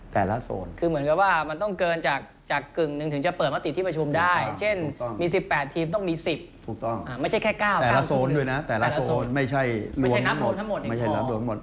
แต่ละโซนไม่ใช่ล้วนทั้งหมด